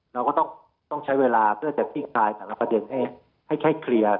เราก็ต้องใช้เวลาเพื่อจะคลี่คลายแต่ละประเด็นให้แค่เคลียร์